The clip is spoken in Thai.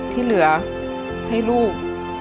ที่เหลือให้ลูก